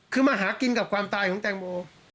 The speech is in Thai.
คือมาหากินกับความตายของแตงโม